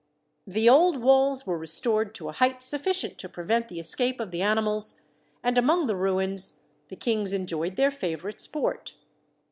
The old walls were restored to a height sufficient to prevent the escape of the animals, and among the ruins the kings enjoyed their favourite sport.